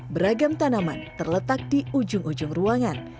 beragam tanaman terletak di ujung ujung ruangan